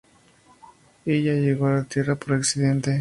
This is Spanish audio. Ella llegó a la Tierra por accidente.